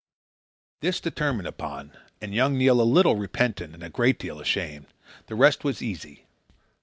This determined upon, and young Neil a little repentant and a great deal ashamed, the rest was easy.